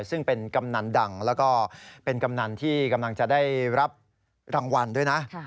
ซึ่งเป็นกำนันดังแล้วก็เป็นกำนันที่กำลังจะได้รับรางวัลด้วยนะ